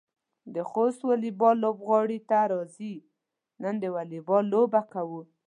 د خوست واليبال لوبغالي ته راځئ، نن د واليبال لوبه کوو.